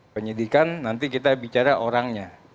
penyidikan nanti kita bicara orangnya